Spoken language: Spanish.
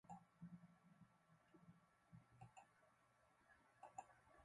El conjunto es el primero en viajar dentro de Chile.